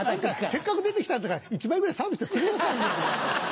せっかく出て来たんだから１枚ぐらいサービスでくれなさいよ。